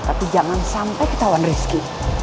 tapi jangan sampai ketahuan rezeki